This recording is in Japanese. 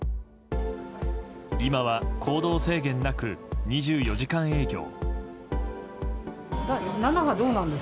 今は行動制限なく２４時間営業。